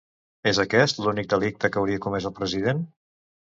És aquest l'únic delicte que hauria comès el president?